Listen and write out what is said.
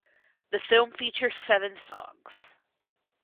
The film features seven songs.